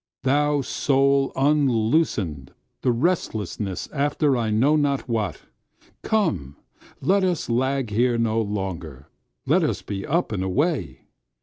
Thou, Soul, unloosen'd—the restlessness after I know not what; Come! let us lag here no longer—let us be up and away!